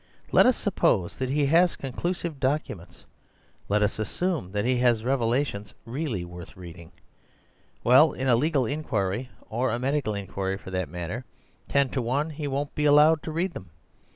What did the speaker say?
Let us suppose that he has conclusive documents. Let us assume that he has revelations really worth reading. Well, in a legal inquiry (or a medical inquiry, for that matter) ten to one he won't be allowed to read them.